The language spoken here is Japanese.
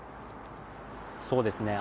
そうですね。